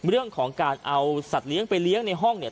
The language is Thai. เอาสัตว์เลี้ยงไปเลี้ยงในห้องเนี่ย